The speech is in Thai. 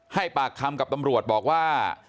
ให้ปากคำกับตำรวจบอกว่า